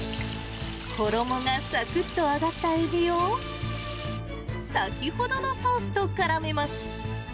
衣がさくっと揚がったエビを、先ほどのソースとからめます。